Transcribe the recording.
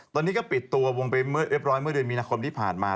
ตอนนี้ก็ปิดตัววงไปเรียบร้อยเมื่อเดือนมีนาคมที่ผ่านมา